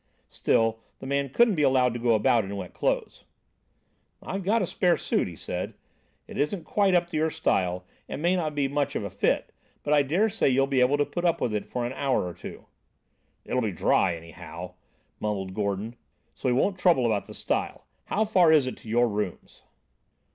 Still the man couldn't be allowed to go about in wet clothes. "I've got a spare suit," he said. "It isn't quite up to your style, and may not be much of a fit, but I daresay you'll be able to put up with it for an hour or two." "It'll be dry anyhow," mumbled Gordon, "so we won't trouble about the style. How far is it to your rooms?"